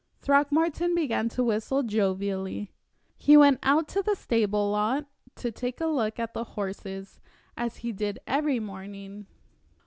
Throckmorton began to whistle jovially. He went out to the stable lot to take a look at the horses, as he did every morning.